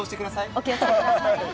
お気をつけください。